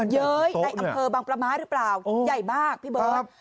เย้ยในอำเภอบางประม้าหรือเปล่าใหญ่มากพี่เบิร์ต